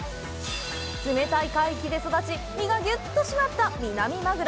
冷たい海域で育ち身がギュっとしまったミナミマグロ。